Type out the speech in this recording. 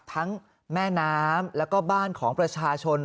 แม่น้ำแล้วก็บ้านของประชาชน